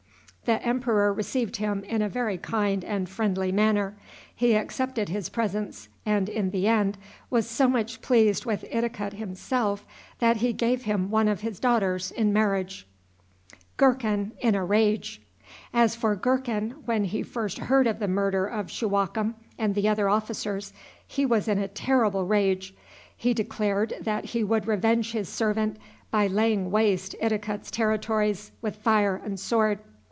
The emperor received him in a very kind and friendly manner. He accepted his presents, and, in the end, was so much pleased with Idikut himself that he gave him one of his daughters in marriage. As for Gurkhan, when he first heard of the murder of Shuwakem and the other officers, he was in a terrible rage. He declared that he would revenge his servant by laying waste Idikut's territories with fire and sword.